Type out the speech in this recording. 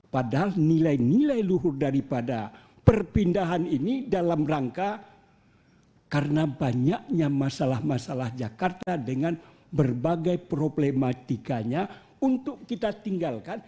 padahal nilai nilai luhur daripada perpindahan ini dalam rangka karena banyaknya masalah masalah jakarta dengan berbagai problematikanya untuk kita tinggalkan